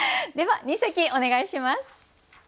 では二席お願いします。